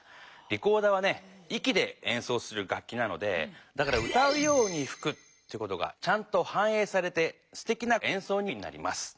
リコーダーはねいきでえんそうする楽きなのでだから歌うようにふくということがちゃんとはんえいされてすてきなえんそうになります。